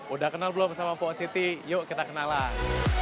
udah kenal belum sama mpok city yuk kita kenalan